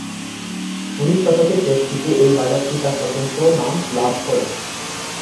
উনিশ শতকের শেষ দিকে এই বাজারটি তার স্বতন্ত্র নাম লাভ করে।